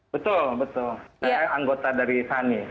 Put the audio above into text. betul betul saya anggota dari sani